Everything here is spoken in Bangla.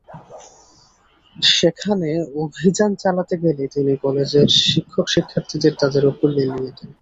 সেখানে অভিযান চালাতে গেলে তিনি কলেজের শিক্ষক-শিক্ষার্থীদের তাদের ওপর লেলিয়ে দেন।